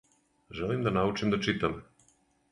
Желим да научим да читам.